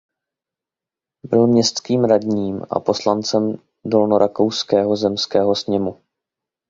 Byl městským radním a poslancem Dolnorakouského zemského sněmu.